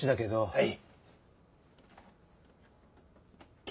はい。